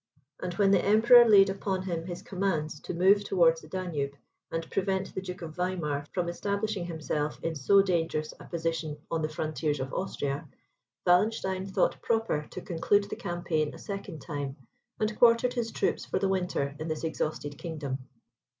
And when the Emperor laid upon him his commands to move towards the Danube, and prevent the Duke of Weimar from establishing himself in so dangerous a position on the frontiers of Austria, Wallenstein thought proper to conclude the campaign a second time, and quartered his troops for the winter in this exhausted kingdom.